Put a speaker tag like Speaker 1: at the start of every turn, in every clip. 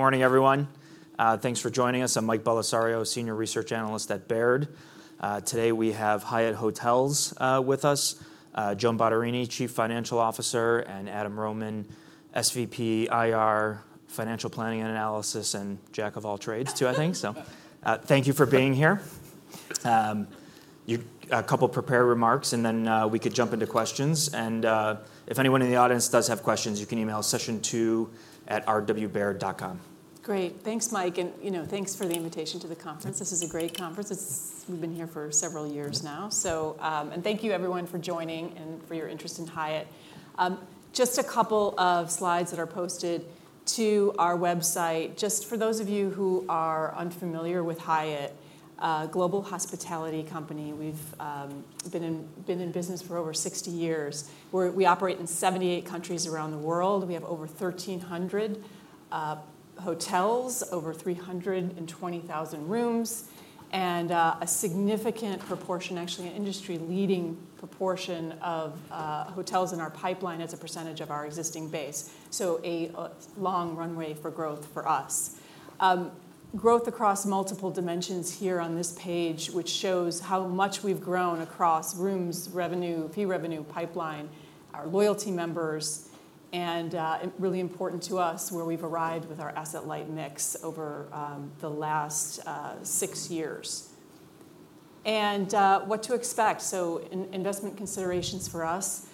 Speaker 1: Good morning, everyone. Thanks for joining us. I'm Mike Bellisario, Senior Research Analyst at Baird. Today we have Hyatt Hotels with us, Joan Bottarini, Chief Financial Officer, and Adam Rohman, SVP, IR, Financial Planning and Analysis, and jack of all trades, too, I think. So, thank you for being here. A couple prepared remarks, and then, we could jump into questions, and, if anyone in the audience does have questions, you can email sessiontwo@rwbaird.com.
Speaker 2: Great. Thanks, Mike, and, you know, thanks for the invitation to the conference. This is a great conference. We've been here for several years now. So, and thank you everyone for joining and for your interest in Hyatt. Just a couple of slides that are posted to our website. Just for those of you who are unfamiliar with Hyatt, a global hospitality company, we've been in business for over 60 years, where we operate in 78 countries around the world. We have over 1,300 hotels, over 320,000 rooms, and a significant proportion, actually, an industry-leading proportion of hotels in our pipeline as a percentage of our existing base. So a long runway for growth for us. Growth across multiple dimensions here on this page, which shows how much we've grown across rooms, revenue, fee revenue, pipeline, our loyalty members, and really important to us, where we've arrived with our asset-light mix over the last six years. What to expect? So investment considerations for us,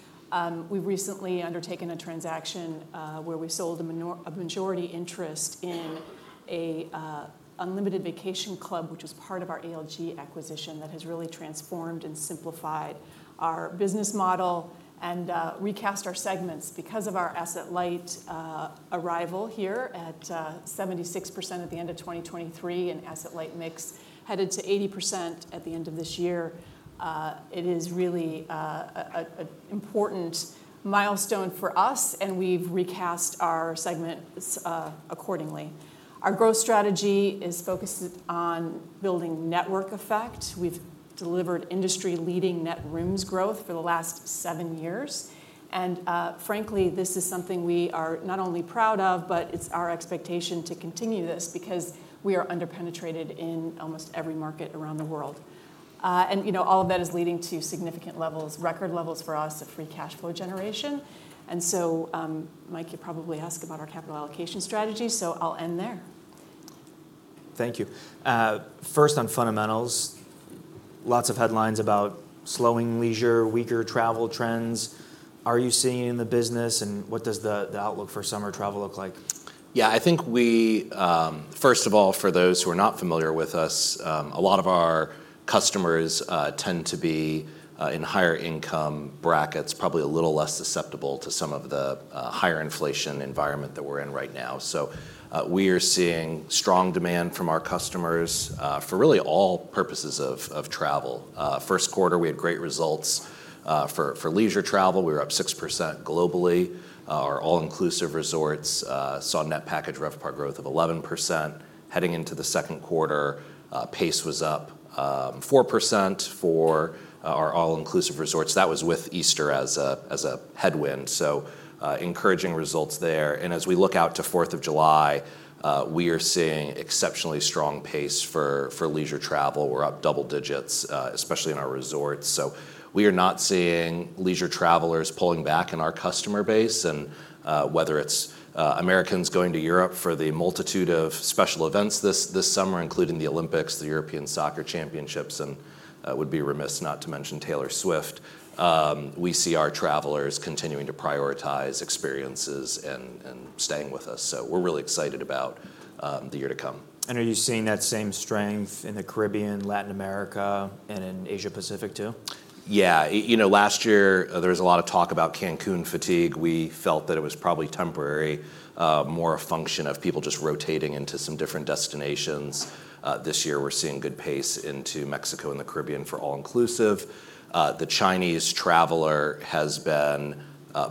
Speaker 2: we've recently undertaken a transaction where we sold a majority interest in a Unlimited Vacation Club, which was part of our ALG acquisition that has really transformed and simplified our business model and recast our segments because of our asset-light arrival here at 76% at the end of 2023, and asset-light mix headed to 80% at the end of this year. It is really an important milestone for us, and we've recast our segments accordingly. Our growth strategy is focused on building network effect. We've delivered industry-leading net rooms growth for the last seven years, and frankly, this is something we are not only proud of, but it's our expectation to continue this because we are under-penetrated in almost every market around the world. And, you know, all of that is leading to significant levels, record levels for us, of free cash flow generation. And so, Mike, you'll probably ask about our capital allocation strategy, so I'll end there.
Speaker 1: Thank you. First, on fundamentals, lots of headlines about slowing leisure, weaker travel trends. Are you seeing it in the business, and what does the outlook for summer travel look like?
Speaker 3: Yeah, I think we... First of all, for those who are not familiar with us, a lot of our customers tend to be in higher income brackets, probably a little less susceptible to some of the higher inflation environment that we're in right now. So, we are seeing strong demand from our customers for really all purposes of travel. First quarter, we had great results. For leisure travel, we were up 6% globally. Our all-inclusive resorts saw net package RevPAR growth of 11%. Heading into the second quarter, pace was up 4% for our all-inclusive resorts. That was with Easter as a headwind, so encouraging results there. And as we look out to Fourth of July, we are seeing exceptionally strong pace for leisure travel. We're up double digits, especially in our resorts. So we are not seeing leisure travelers pulling back in our customer base, and whether it's Americans going to Europe for the multitude of special events this this summer, including the Olympics, the European Soccer Championships, and would be remiss not to mention Taylor Swift, we see our travelers continuing to prioritize experiences and staying with us. So we're really excited about the year to come.
Speaker 1: Are you seeing that same strength in the Caribbean, Latin America, and in Asia-Pacific, too?
Speaker 3: Yeah. You know, last year, there was a lot of talk about Cancun fatigue. We felt that it was probably temporary, more a function of people just rotating into some different destinations. This year, we're seeing good pace into Mexico and the Caribbean for all-inclusive. The Chinese traveler has been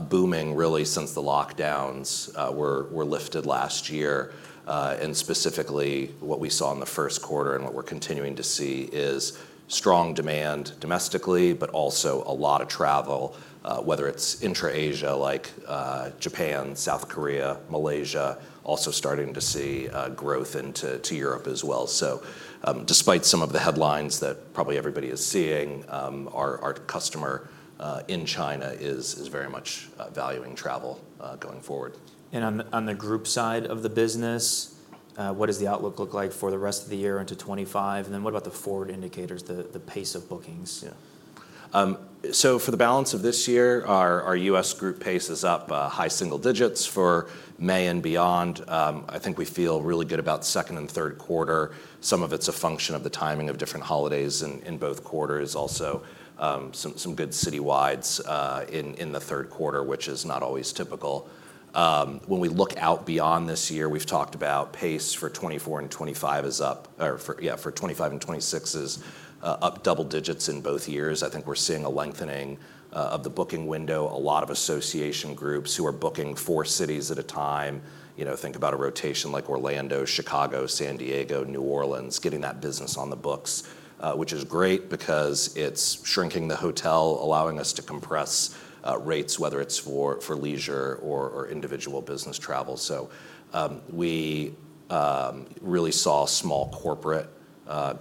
Speaker 3: booming really since the lockdowns were lifted last year. And specifically, what we saw in the first quarter and what we're continuing to see is strong demand domestically, but also a lot of travel, whether it's intra-Asia, like, Japan, South Korea, Malaysia, also starting to see growth into Europe as well. So, despite some of the headlines that probably everybody is seeing, our customer in China is very much valuing travel going forward.
Speaker 1: On the group side of the business, what does the outlook look like for the rest of the year into 2025? And then what about the forward indicators, the pace of bookings?
Speaker 3: Yeah. So for the balance of this year, our, our U.S. group pace is up, high single digits. For May and beyond, I think we feel really good about second and third quarter. Some of it's a function of the timing of different holidays in, in both quarters. Also, some, some good citywides, in, in the third quarter, which is not always typical. When we look out beyond this year, we've talked about pace for 2024 and 2025 is up, or for- yeah, for 2025 and 2026 is, up double digits in both years. I think we're seeing a lengthening, of the booking window. A lot of association groups who are booking four cities at a time, you know, think about a rotation like Orlando, Chicago, San Diego, New Orleans, getting that business on the books, which is great because it's shrinking the hotel, allowing us to compress rates, whether it's for leisure or individual business travel. So, we really saw small corporate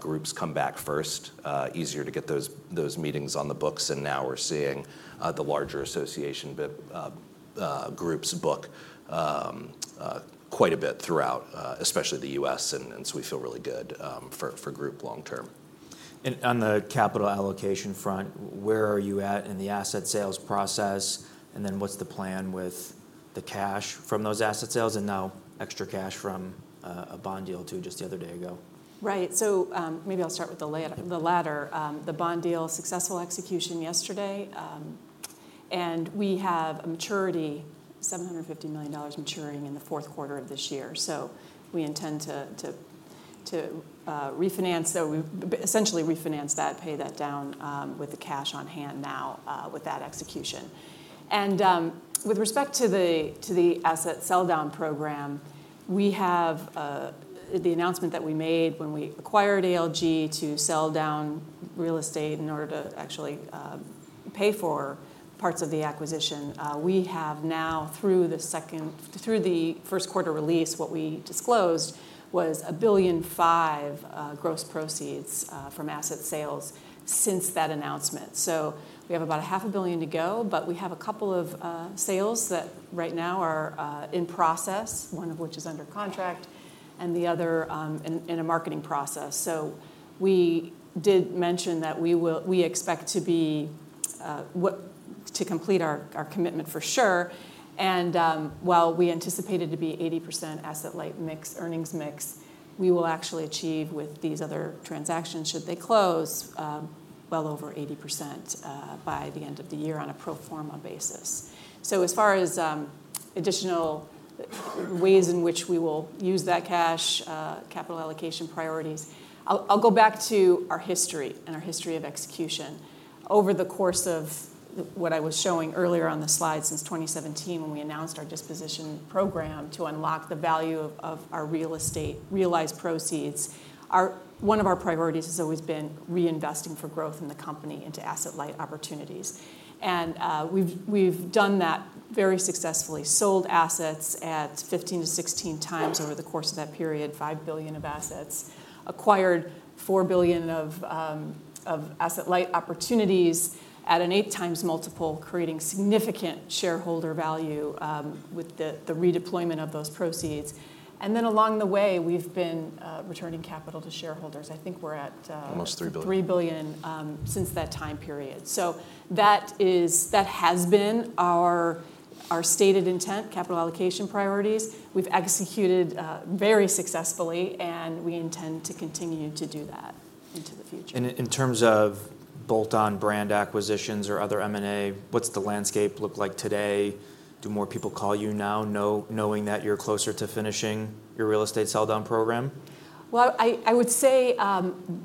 Speaker 3: groups come back first, easier to get those meetings on the books, and now we're seeing the larger association groups book quite a bit throughout, especially the U.S., and so we feel really good for group long term.
Speaker 1: On the capital allocation front, where are you at in the asset sales process? Then what's the plan with the cash from those asset sales, and now extra cash from a bond deal, too, just the other day ago?
Speaker 2: Right. So, maybe I'll start with the latter. The bond deal, successful execution yesterday, and we have a maturity, $750 million maturing in the fourth quarter of this year. So we intend to refinance, so we essentially refinance that, pay that down with the cash on hand now with that execution. And with respect to the asset sell-down program, we have the announcement that we made when we acquired ALG to sell down real estate in order to actually pay for parts of the acquisition, we have now, through the first quarter release, what we disclosed was $1.5 billion gross proceeds from asset sales since that announcement. So we have about $500 million to go, but we have a couple of sales that right now are in process, one of which is under contract, and the other in a marketing process. So we did mention that we expect to complete our commitment for sure. And while we anticipated to be 80% asset-light mix, earnings mix, we will actually achieve with these other transactions, should they close, well over 80% by the end of the year on a pro forma basis. So as far as additional ways in which we will use that cash, capital allocation priorities, I'll go back to our history and our history of execution. Over the course of what I was showing earlier on the slide, since 2017, when we announced our disposition program to unlock the value of our real estate, realized proceeds, one of our priorities has always been reinvesting for growth in the company into asset-light opportunities. And we've done that very successfully, sold assets at 15x-16x over the course of that period, $5 billion of assets, acquired $4 billion of asset-light opportunities at an 8x multiple, creating significant shareholder value with the redeployment of those proceeds. And then along the way, we've been returning capital to shareholders. I think we're at
Speaker 3: Almost $3 billion.
Speaker 2: $3 billion since that time period. So that has been our stated intent, capital allocation priorities. We've executed very successfully, and we intend to continue to do that into the future.
Speaker 1: In terms of bolt-on brand acquisitions or other M&A, what's the landscape look like today? Do more people call you now, knowing that you're closer to finishing your real estate sell-down program?
Speaker 2: Well, I would say,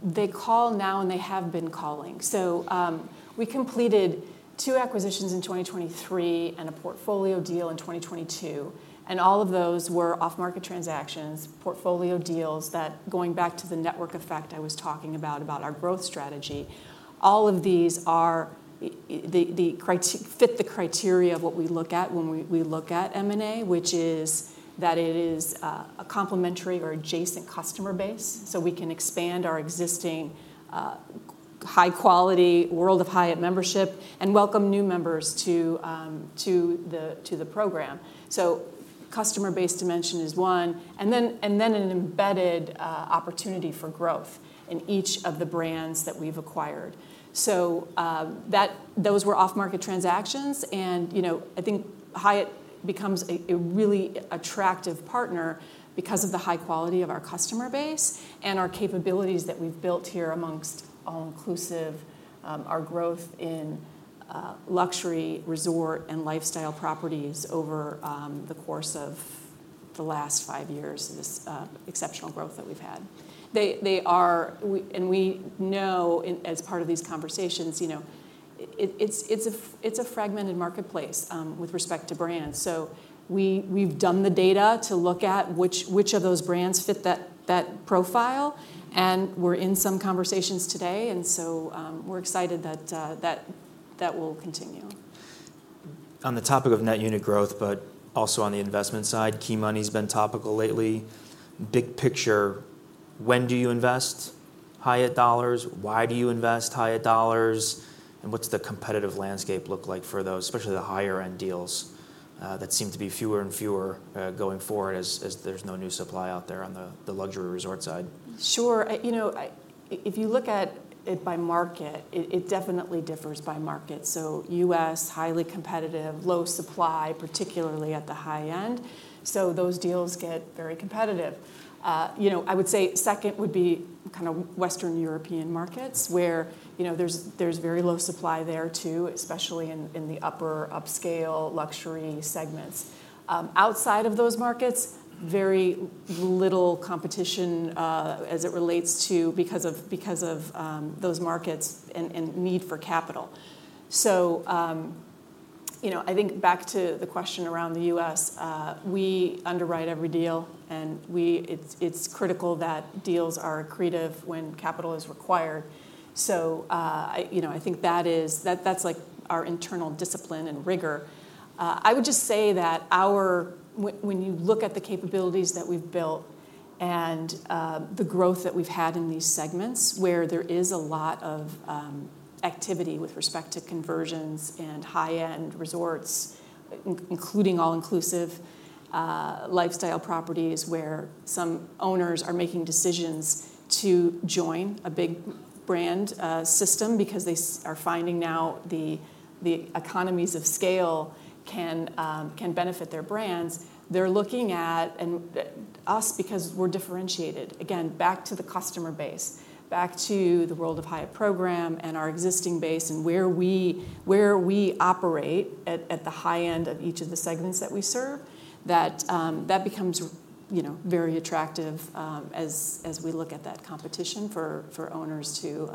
Speaker 2: they call now, and they have been calling. So, we completed two acquisitions in 2023 and a portfolio deal in 2022, and all of those were off-market transactions, portfolio deals, that, going back to the network effect I was talking about, about our growth strategy, all of these are the criteria of what we look at when we look at M&A, which is that it is a complementary or adjacent customer base, so we can expand our existing high-quality World of Hyatt membership and welcome new members to the program. So customer-base dimension is one, and then an embedded opportunity for growth in each of the brands that we've acquired. So, those were off-market transactions, and, you know, I think Hyatt becomes a really attractive partner because of the high quality of our customer base and our capabilities that we've built here amongst all-inclusive, our growth in luxury, resort, and lifestyle properties over the course of the last five years, this exceptional growth that we've had. And we know as part of these conversations, you know, it's a fragmented marketplace with respect to brands. So we've done the data to look at which of those brands fit that profile, and we're in some conversations today, and so, we're excited that that will continue.
Speaker 1: On the topic of net unit growth, but also on the investment side, key money's been topical lately. Big picture, when do you invest Hyatt dollars? Why do you invest Hyatt dollars? And what's the competitive landscape look like for those, especially the higher-end deals, that seem to be fewer and fewer, going forward as there's no new supply out there on the luxury resort side?
Speaker 2: Sure. You know, if you look at it by market, it definitely differs by market, so U.S., highly competitive, low supply, particularly at the high end, so those deals get very competitive. You know, I would say second would be kind of Western European markets, where you know, there's very low supply there, too, especially in the upper upscale luxury segments. Outside of those markets, very little competition, as it relates to because of those markets and need for capital. You know, I think back to the question around the US, we underwrite every deal, and it's critical that deals are accretive when capital is required. You know, I think that that's like our internal discipline and rigor. I would just say that when you look at the capabilities that we've built and the growth that we've had in these segments, where there is a lot of activity with respect to conversions and high-end resorts, including all-inclusive, lifestyle properties, where some owners are making decisions to join a big brand system because they are finding now the economies of scale can benefit their brands. They're looking at, and us because we're differentiated. Again, back to the customer base, back to the World of Hyatt program and our existing base, and where we operate at the high end of each of the segments that we serve, that becomes, you know, very attractive, as we look at that competition for owners to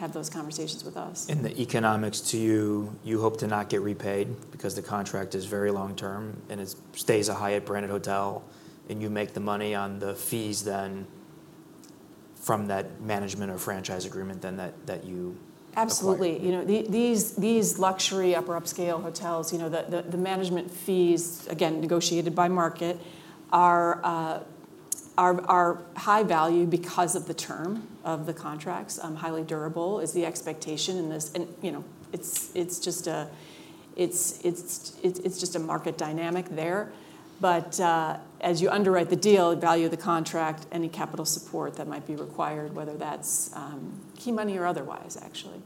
Speaker 2: have those conversations with us.
Speaker 1: The economics to you, you hope to not get repaid because the contract is very long-term, and it stays a Hyatt-branded hotel, and you make the money on the fees then from that management or franchise agreement, then that you acquire?
Speaker 2: Absolutely. You know, these luxury upper upscale hotels, you know, the management fees, again, negotiated by market, are high value because of the term of the contracts, highly durable is the expectation in this. You know, it's just a market dynamic there. But as you underwrite the deal, the value of the contract, any capital support that might be required, whether that's key money or otherwise, actually.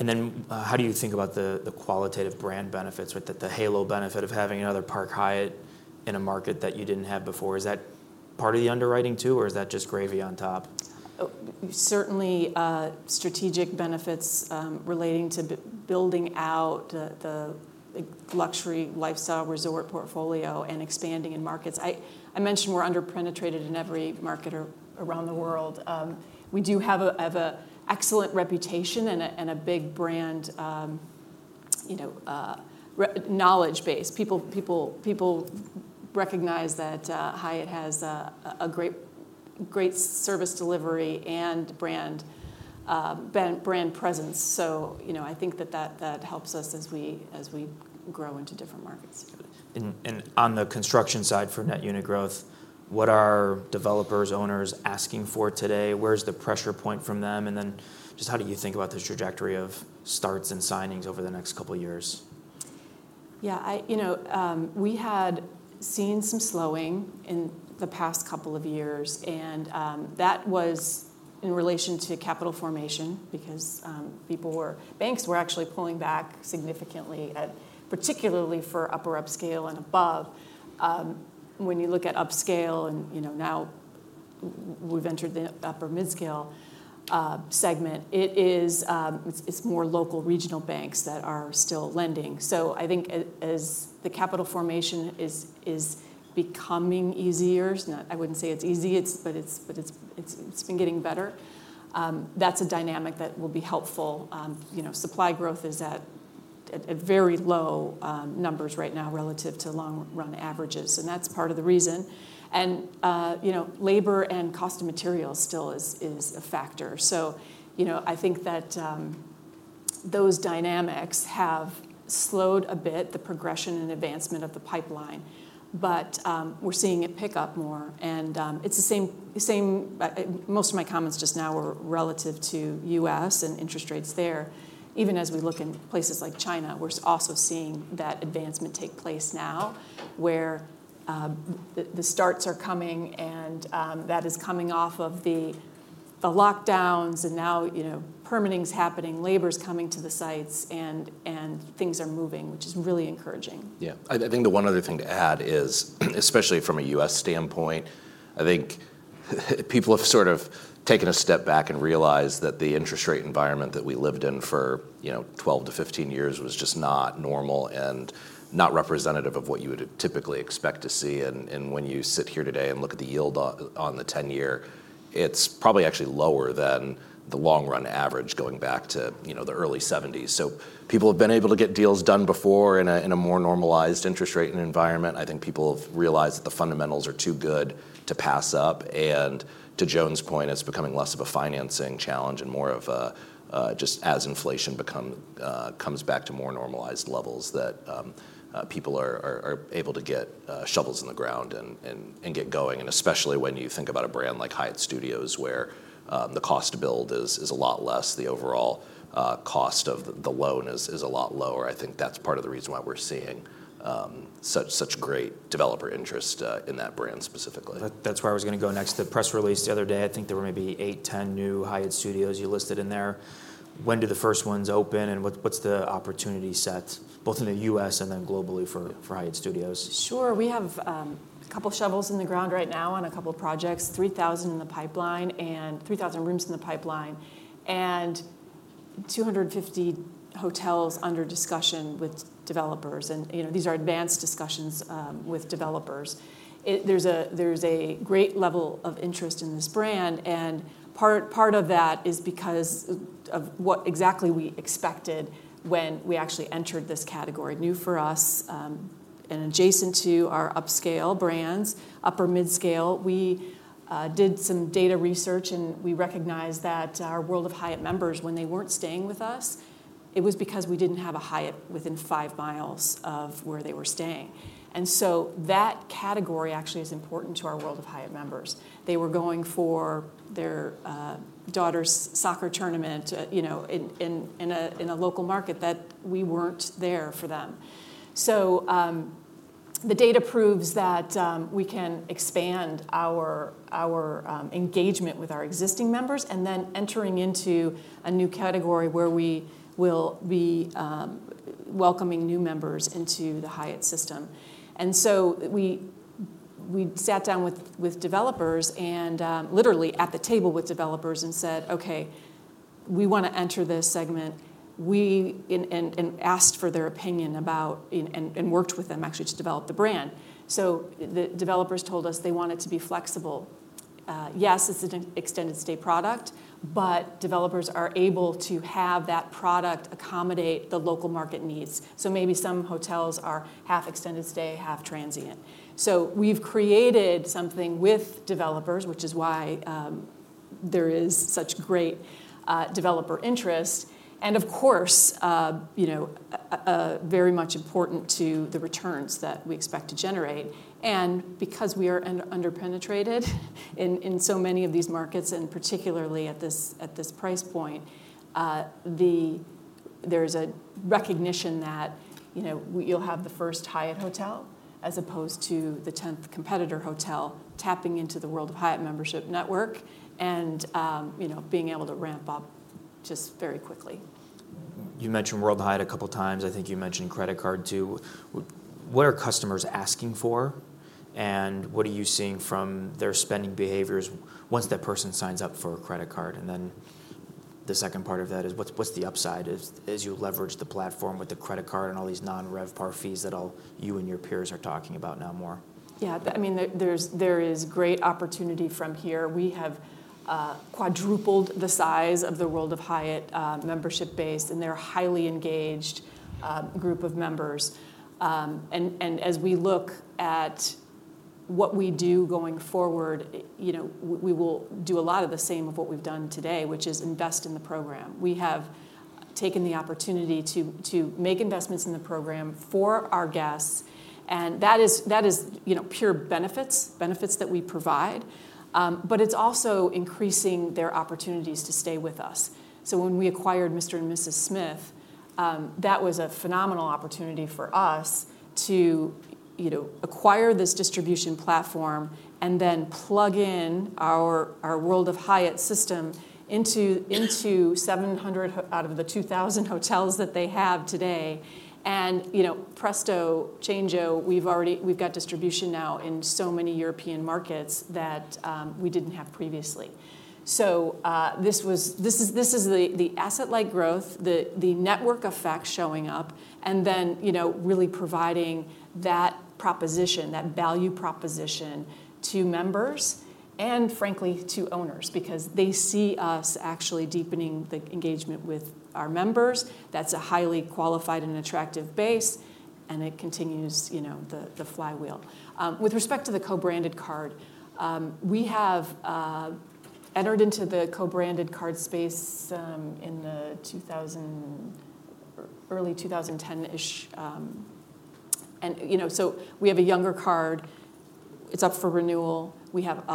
Speaker 1: And then, how do you think about the qualitative brand benefits with the halo benefit of having another Park Hyatt in a market that you didn't have before? Is that part of the underwriting, too, or is that just gravy on top?
Speaker 2: Certainly, strategic benefits relating to building out the luxury lifestyle resort portfolio and expanding in markets. I mentioned we're under-penetrated in every market around the world. We do have an excellent reputation and a big brand knowledge base. People recognize that Hyatt has a great service delivery and brand presence. So, you know, I think that helps us as we grow into different markets.
Speaker 1: And on the construction side for net unit growth, what are developers, owners asking for today? Where is the pressure point from them? And then, just how do you think about the trajectory of starts and signings over the next couple of years?
Speaker 2: Yeah, you know, we had seen some slowing in the past couple of years, and that was in relation to capital formation because banks were actually pulling back significantly, particularly for upper upscale and above. When you look at upscale and, you know, now we've entered the upper midscale segment, it is, it's more local regional banks that are still lending. So I think as the capital formation is becoming easier. It's not, I wouldn't say it's easy, but it's been getting better. That's a dynamic that will be helpful. You know, supply growth is at very low numbers right now relative to long-run averages, and that's part of the reason. You know, labor and cost of materials still is a factor. So, you know, I think that those dynamics have slowed a bit, the progression and advancement of the pipeline, but we're seeing it pick up more, and it's the same. Most of my comments just now were relative to the U.S. and interest rates there. Even as we look in places like China, we're also seeing that advancement take place now, where the starts are coming and that is coming off of the lockdowns, and now, you know, permitting is happening, labor is coming to the sites, and things are moving, which is really encouraging.
Speaker 3: Yeah. I, I think the one other thing to add is, especially from a U.S. standpoint, I think people have sort of taken a step back and realized that the interest rate environment that we lived in for, you know, 12-15 years was just not normal and not representative of what you would typically expect to see. And, and when you sit here today and look at the yield on, on the 10-year, it's probably actually lower than the long-run average going back to, you know, the early 1970s. So people have been able to get deals done before in a, in a more normalized interest rate and environment. I think people have realized that the fundamentals are too good to pass up, and to Joan's point, it's becoming less of a financing challenge and more of a just as inflation comes back to more normalized levels, that people are able to get shovels in the ground and get going. And especially when you think about a brand like Hyatt Studios, where the cost to build is a lot less, the overall cost of the loan is a lot lower. I think that's part of the reason why we're seeing such great developer interest in that brand specifically.
Speaker 1: That's where I was going to go next. The press release the other day, I think there were maybe eight, 10 new Hyatt Studios you listed in there. When do the first ones open, and what, what's the opportunity set, both in the U.S. and then globally for, for Hyatt Studios?
Speaker 2: Sure. We have a couple of shovels in the ground right now on a couple of projects, 3,000 in the pipeline and 3,000 rooms in the pipeline, and 250 hotels under discussion with developers, and, you know, these are advanced discussions with developers. There's a great level of interest in this brand, and part of that is because of what exactly we expected when we actually entered this category. New for us, and adjacent to our upscale brands, upper midscale. We did some data research, and we recognized that our World of Hyatt members, when they weren't staying with us, it was because we didn't have a Hyatt within 5 mi of where they were staying. And so that category actually is important to our World of Hyatt members. They were going for their daughter's soccer tournament, you know, in a local market that we weren't there for them. So the data proves that we can expand our engagement with our existing members, and then entering into a new category where we will be welcoming new members into the Hyatt system. So we sat down with developers and literally at the table with developers and said, "Okay, we want to enter this segment," and asked for their opinion about and worked with them actually to develop the brand. So the developers told us they want it to be flexible. Yes, it's an extended stay product, but developers are able to have that product accommodate the local market needs. So maybe some hotels are half extended stay, half transient. So we've created something with developers, which is why there is such great developer interest and of course, you know, very much important to the returns that we expect to generate. And because we are underpenetrated in so many of these markets, and particularly at this price point, there's a recognition that, you know, you'll have the first Hyatt hotel as opposed to the tenth competitor hotel, tapping into the World of Hyatt membership network and, you know, being able to ramp up just very quickly.
Speaker 1: You mentioned World of Hyatt a couple of times. I think you mentioned credit card, too. What are customers asking for, and what are you seeing from their spending behaviors once that person signs up for a credit card? And then the second part of that is, what's the upside as you leverage the platform with the credit card and all these non-RevPAR fees that all you and your peers are talking about now more?
Speaker 2: Yeah, I mean, there is great opportunity from here. We have quadrupled the size of the World of Hyatt membership base, and they're a highly engaged group of members. And as we look at what we do going forward, you know, we will do a lot of the same of what we've done today, which is invest in the program. We have taken the opportunity to make investments in the program for our guests, and that is, you know, pure benefits, benefits that we provide. But it's also increasing their opportunities to stay with us. So when we acquired Mr & Mrs Smith, that was a phenomenal opportunity for us to, you know, acquire this distribution platform and then plug in our World of Hyatt system into 700 out of the 2,000 hotels that they have today. You know, presto chango, we've already, we've got distribution now in so many European markets that we didn't have previously. So, this was, this is, this is the asset-light growth, the network effect showing up, and then, you know, really providing that proposition, that value proposition to members and frankly, to owners, because they see us actually deepening the engagement with our members. That's a highly qualified and attractive base, and it continues, you know, the flywheel. With respect to the co-branded card, we have entered into the co-branded card space in the 2000s-early 2010-ish. And, you know, so we have a younger card. It's up for renewal. We have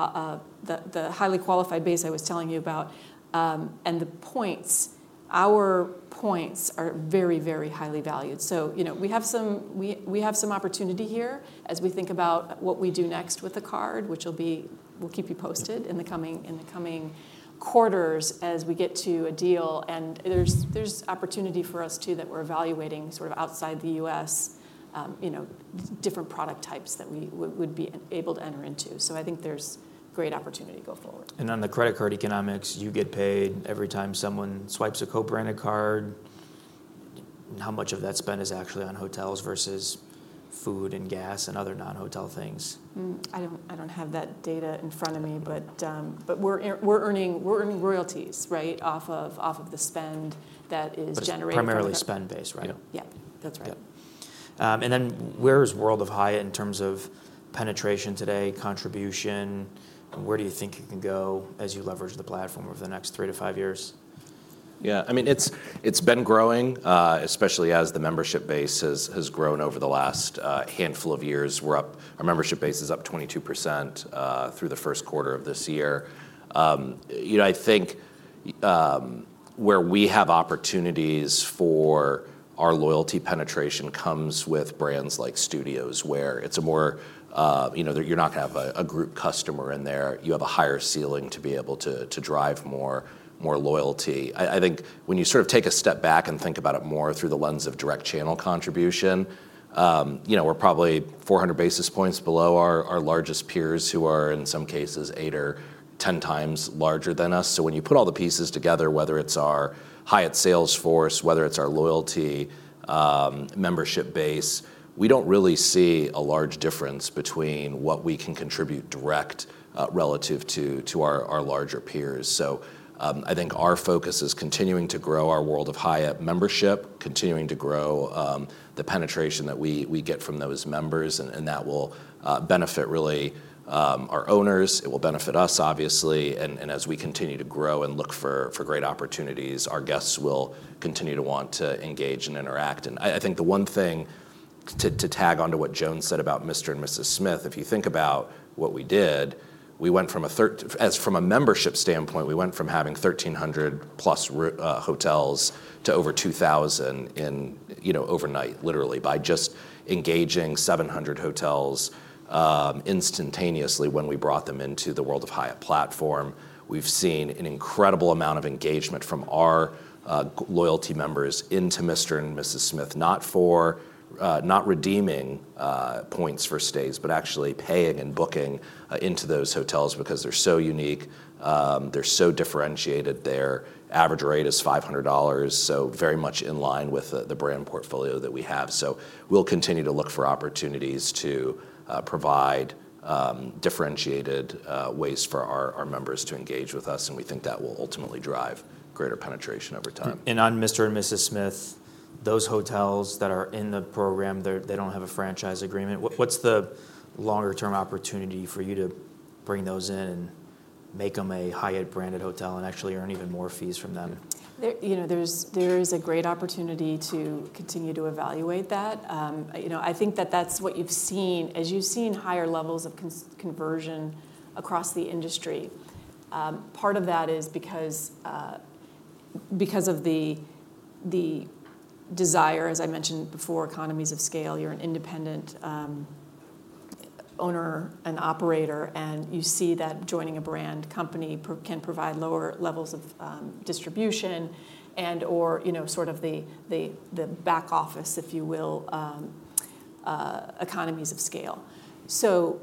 Speaker 2: the highly qualified base I was telling you about, and the points, our points are very, very highly valued. So, you know, we have some opportunity here as we think about what we do next with the card, which will be—we'll keep you posted in the coming quarters as we get to a deal. And there's opportunity for us, too, that we're evaluating sort of outside the U.S., you know, different product types that we would be able to enter into. So I think there's great opportunity to go forward.
Speaker 1: On the credit card economics, you get paid every time someone swipes a co-branded card. How much of that spend is actually on hotels versus food and gas and other non-hotel things?
Speaker 2: I don't, I don't have that data in front of me, but, but we're earning, we're earning royalties, right, off of, off of the spend that is generated-
Speaker 1: It's primarily spend-based, right?
Speaker 2: Yeah. Yeah, that's right.
Speaker 1: Yeah. Then where is World of Hyatt in terms of penetration today, contribution? Where do you think it can go as you leverage the platform over the next 3-5 years?
Speaker 3: Yeah, I mean, it's been growing, especially as the membership base has grown over the last handful of years. Our membership base is up 22%, through the first quarter of this year. You know, I think where we have opportunities for our loyalty penetration comes with brands like Studios, where it's a more, you know, you're not gonna have a group customer in there. You have a higher ceiling to be able to drive more loyalty. I think when you sort of take a step back and think about it more through the lens of direct channel contribution, you know, we're probably 400 basis points below our largest peers, who are, in some cases, 8x or 10x larger than us. So when you put all the pieces together, whether it's our Hyatt sales force, whether it's our loyalty, membership base, we don't really see a large difference between what we can contribute direct, relative to our larger peers. So, I think our focus is continuing to grow our World of Hyatt membership, continuing to grow the penetration that we get from those members, and that will benefit really our owners. It will benefit us, obviously. And as we continue to grow and look for great opportunities, our guests will continue to want to engage and interact. And I think the one thing to tag onto what Joan said about Mr & Mrs Smith, if you think about what we did, we went from a membership standpoint, we went from having 1,300 plus hotels to over 2,000 in, you know, overnight, literally, by just engaging 700 hotels instantaneously when we brought them into the World of Hyatt platform. We've seen an incredible amount of engagement from our loyalty members into Mr & Mrs Smith, not for not redeeming points for stays, but actually paying and booking into those hotels because they're so unique, they're so differentiated. Their average rate is $500, so very much in line with the brand portfolio that we have. So we'll continue to look for opportunities to provide differentiated ways for our our members to engage with us, and we think that will ultimately drive greater penetration over time.
Speaker 1: On Mr & Mrs Smith, those hotels that are in the program, they don't have a franchise agreement. What's the longer-term opportunity for you to bring those in and make them a Hyatt-branded hotel and actually earn even more fees from them?
Speaker 2: You know, there is a great opportunity to continue to evaluate that. You know, I think that that's what you've seen, as you've seen higher levels of conversion across the industry. Part of that is because of the desire, as I mentioned before, economies of scale. You're an independent owner and operator, and you see that joining a brand company can provide lower levels of distribution and/or, you know, sort of the back office, if you will, economies of scale. So,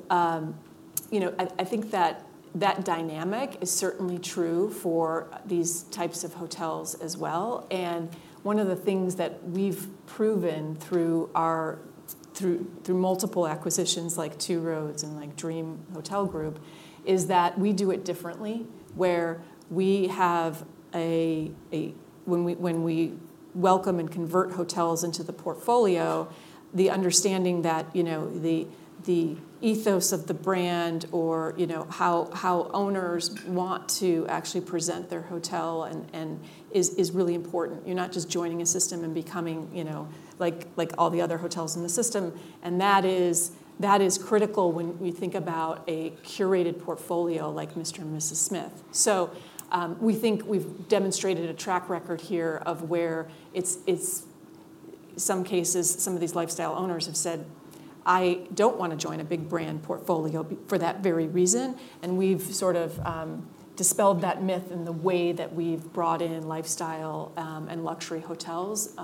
Speaker 2: you know, I think that that dynamic is certainly true for these types of hotels as well, and one of the things that we've proven through our multiple acquisitions, like Two Roads and like Dream Hotel Group, is that we do it differently, where we have a... When we welcome and convert hotels into the portfolio, the understanding that, you know, the ethos of the brand or, you know, how owners want to actually present their hotel and is really important. You're not just joining a system and becoming, you know, like all the other hotels in the system, and that is critical when we think about a curated portfolio like Mr & Mrs Smith. So, we think we've demonstrated a track record here of where it's some cases, some of these lifestyle owners have said, "I don't want to join a big brand portfolio," for that very reason, and we've sort of dispelled that myth in the way that we've brought in lifestyle and luxury hotels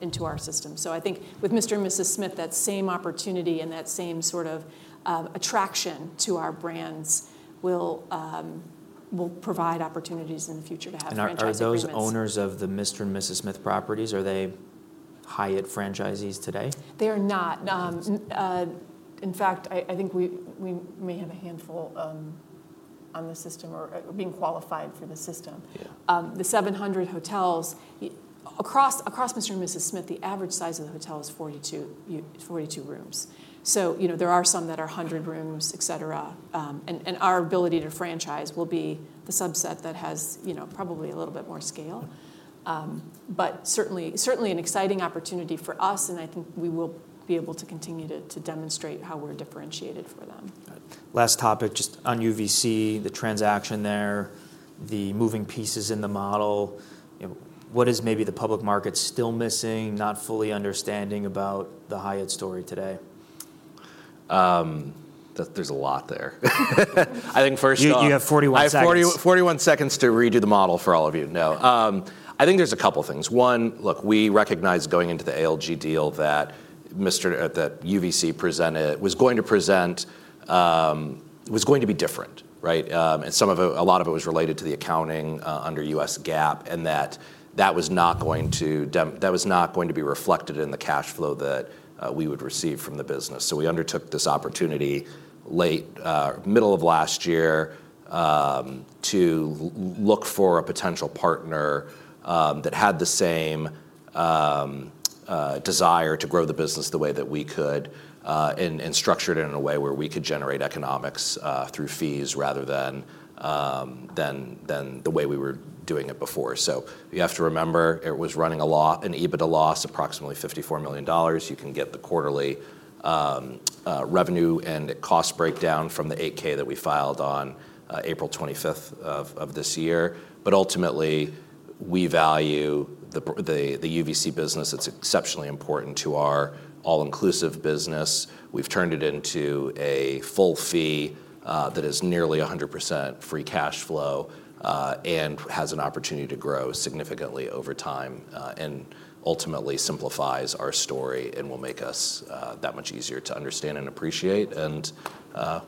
Speaker 2: into our system. So I think with Mr & Mrs Smith, that same opportunity and that same sort of attraction to our brands will provide opportunities in the future to have franchise agreements.
Speaker 1: Are those owners of the Mr & Mrs Smith properties Hyatt franchisees today?
Speaker 2: They are not.
Speaker 1: Okay.
Speaker 2: In fact, I think we may have a handful on the system or being qualified for the system. The 700 hotels across Mr & Mrs Smith, the average size of the hotel is 42 rooms. So, you know, there are some that are 100 rooms, et cetera, and our ability to franchise will be the subset that has, you know, probably a little bit more scale. But certainly an exciting opportunity for us, and I think we will be able to continue to demonstrate how we're differentiated for them.
Speaker 1: Got it. Last topic, just on UVC, the transaction there, the moving pieces in the model. You know, what is maybe the public market still missing, not fully understanding about the Hyatt story today?
Speaker 3: There's a lot there. I think first off-
Speaker 1: You have 41 seconds.
Speaker 3: I have 40-41 seconds to redo the model for all of you. No, I think there's a couple things. One, look, we recognize going into the ALG deal that Mr.... that UVC presented- was going to present, was going to be different, right? And some of it, a lot of it was related to the accounting under US GAAP, and that that was not going to be reflected in the cash flow that we would receive from the business. So we undertook this opportunity late, middle of last year, to look for a potential partner, that had the same, desire to grow the business the way that we could, and structure it in a way where we could generate economics, through fees rather than the way we were doing it before. So you have to remember, it was running an EBITDA loss of approximately $54 million. You can get the quarterly, revenue and cost breakdown from the 8-K that we filed on, April 25th of this year. But ultimately, we value the UVC business. It's exceptionally important to our all-inclusive business. We've turned it into a full fee, that is nearly 100% free cash flow, and has an opportunity to grow significantly over time, and ultimately simplifies our story and will make us, that much easier to understand and appreciate and,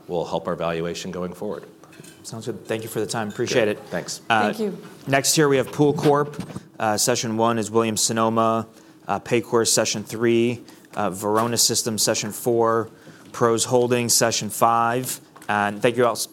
Speaker 3: will help our valuation going forward.
Speaker 1: Sounds good. Thank you for the time. Appreciate it.
Speaker 3: Yeah, thanks.
Speaker 2: Thank you.
Speaker 1: Next, here we have Pool Corporation. Session one is Williams-Sonoma, Paycor, session three, Varonis Systems, session four, PROS Holdings, session five, and thank you all s-